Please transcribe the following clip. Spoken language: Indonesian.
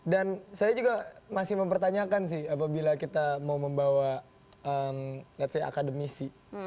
dan saya juga masih mempertanyakan sih apabila kita mau membawa let's say akademisi